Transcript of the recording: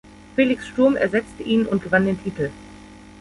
Felix Sturm ersetzte ihn und gewann den Titel.